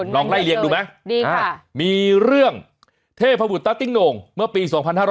น้องไล่เรียกดูมั้ยดีค่ะมีเรื่องเทพบุตรต๊ะติ๊กโหน่งเมื่อปี๒๕๒๐